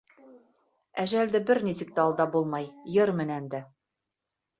Әжәлде бер нисек тә алдап булмай, йыр менән дә.